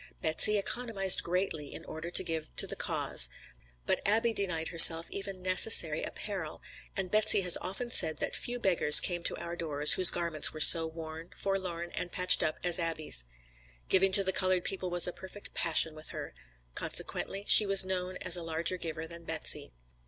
Betsy economized greatly in order to give to the cause, but Abby denied herself even necessary apparel, and Betsy has often said that few beggars came to our doors whose garments were so worn, forlorn, and patched up as Abby's. Giving to the colored people was a perfect passion with her; consequently she was known as a larger giver than Betsy.